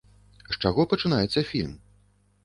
З чаго пачынаецца фільм?